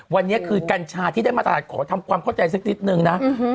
วันนี้คือกัญชาที่ได้มาตลาดขอทำความเข้าใจสักนิดนึงนะ